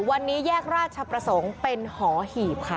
วันนี้แยกราชประสงค์เป็นหอหีบค่ะ